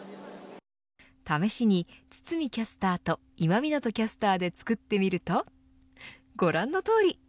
試しに堤キャスターと今湊キャスターで作ってみるとご覧のとおり。